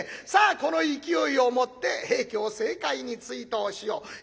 さあこの勢いをもって平家を西海に追討しよう。